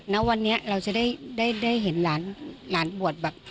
ณวันนี้เราจะได้เห็นหลานบวชแบบ